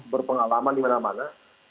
berpengalaman di mana mana